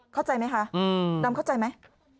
เข้าใจไหมคะดำเข้าใจไหม